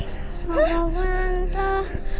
gak apa apa tante